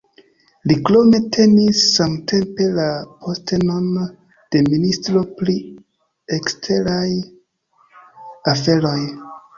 Li krome tenis samtempe la postenon de Ministro pri eksteraj aferoj.